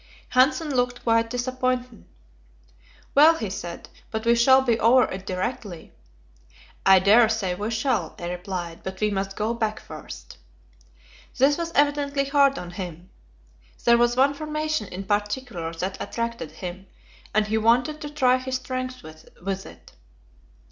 Hanssen looked quite disappointed. "Well," he said, "but we shall be over it directly." "I dare say we shall," I replied; "but we must go back first." This was evidently hard on him; there was one formation in particular that attracted him, and he wanted to try his strength with it.